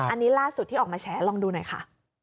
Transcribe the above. อันนี้ล่าสุดที่ออกมาแฉลองดูหน่อยค่ะ